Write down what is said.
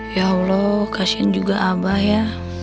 ya allah kasian juga abah ya